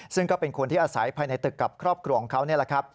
ซึ่งก็เป็นคนที่อาศัยภายในตึกกับครอบครัวของเขานี่แหละครับ